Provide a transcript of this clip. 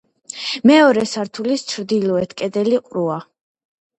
მეორე სართულის ჩრდილოეთ კედელი ყრუა.